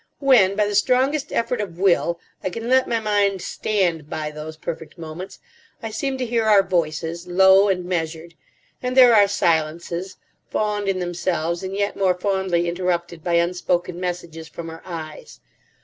When, by the strongest effort of will, I can let my mind stand by those perfect moments, I seem to hear our voices, low and measured. And there are silences, fond in themselves and yet more fondly interrupted by unspoken messages from our eyes.